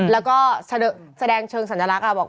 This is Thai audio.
แล้วก็แสดงเชิงสัญลักษณ์บอก